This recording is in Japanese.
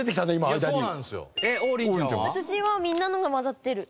私はみんなのが交ざってる。